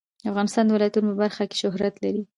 افغانستان د ولایتونو په برخه کې شهرت لري.